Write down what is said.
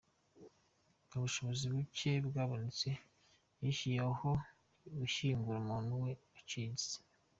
Mu bushobozi buke bwabonetse yishyuye aho gushyingura umuntu we haciriritse.